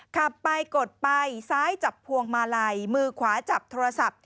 ขับไปกดไปซ้ายจับพวงมาลัยมือขวาจับโทรศัพท์